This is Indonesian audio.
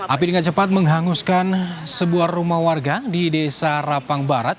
api dengan cepat menghanguskan sebuah rumah warga di desa rapang barat